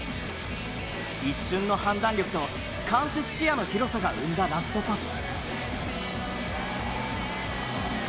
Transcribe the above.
一瞬の判断力と間接視野の広さが生んだラストパス。